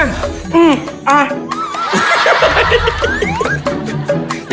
อืมอ่ะ